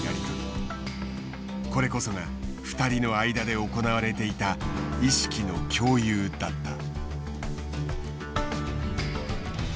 これこそが２人の間で行われていた意識の共有だった。